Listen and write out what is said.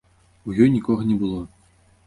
У ёй нікога не было.